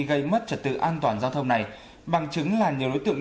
gây mất trật tự an toàn giao thông này bằng chứng là nhiều đối tượng